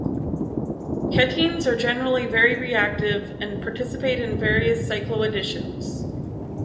Ketenes are generally very reactive, and participate in various cycloadditions.